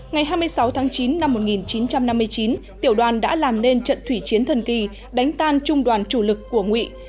ngày hai mươi sáu tháng chín năm một nghìn chín trăm năm mươi chín tiểu đoàn đã làm nên trận thủy chiến thần kỳ đánh tan trung đoàn chủ lực của nguyện